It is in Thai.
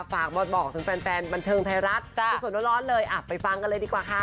ฝากมาบอกถึงแฟนบันเทิงไทยรัฐสดร้อนเลยไปฟังกันเลยดีกว่าค่ะ